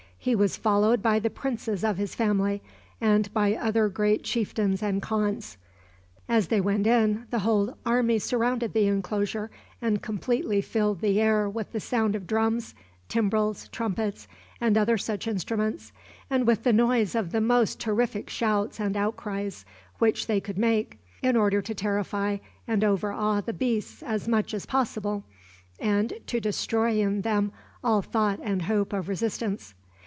He was followed by the princes of his family, and by other great chieftains and khans. As they went in, the whole army surrounded the inclosure, and completely filled the air with the sound of drums, timbrels, trumpets, and other such instruments, and with the noise of the most terrific shouts and outcries which they could make, in order to terrify and overawe the beasts as much as possible, and to destroy in them all thought and hope of resistance.